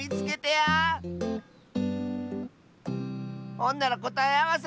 ほんならこたえあわせ！